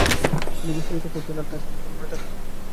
তিনি বিস্তারিত পড়তেন তবে তা সারাজীবন মনে থাকত।